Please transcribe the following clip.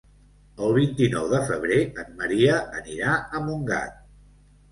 El vint-i-nou de febrer en Maria anirà a Montgat.